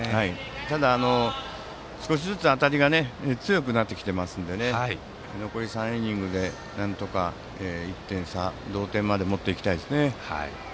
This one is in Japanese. ただ、少しずつ当たりが強くなってきていますので残り３イニングでなんとか１点差か同点まで持っていきたいですね。